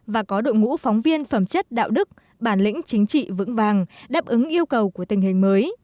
và có đội ngũ phóng viên phẩm chất đạo đức bản lĩnh chính trị vững vàng đáp ứng yêu cầu của tình hình mới